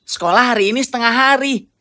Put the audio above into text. sekolah hari ini setengah hari